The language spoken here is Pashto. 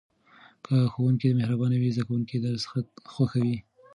که ښوونکی مهربان وي زده کوونکي درس خوښوي.